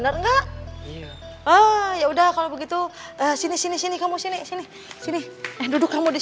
rusak alf instead